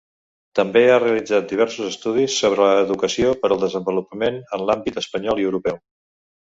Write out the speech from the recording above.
També ha realitzat diversos estudis sobre educació per al desenvolupament en l'àmbit espanyol i europeu.